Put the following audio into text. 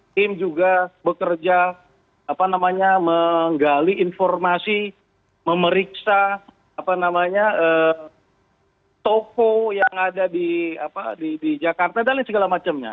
tim juga bekerja menggali informasi memeriksa toko yang ada di jakarta dan segala macamnya